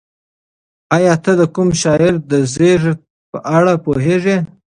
ایا ته د کوم شاعر د زېږد په اړه پوهېږې؟